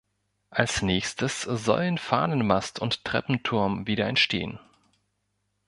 Als Nächstes sollen Fahnenmast und Treppenturm wieder entstehen.